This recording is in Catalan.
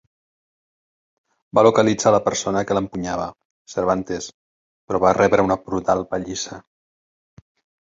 Va localitzar la persona que l'empunyava, Cervantes, però va rebre una brutal pallissa.